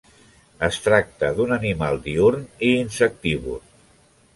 Es tracta d'un animal diürn i insectívor.